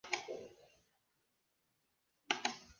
Actualmente reside en su ciudad natal Pune.